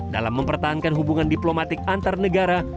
dalam mempertahankan hubungan diplomatik antar negara